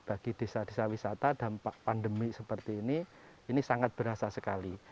bagi desa desa wisata dampak pandemi seperti ini ini sangat berasa sekali